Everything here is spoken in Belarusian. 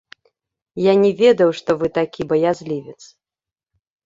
Я не ведаў, што вы такі баязлівец.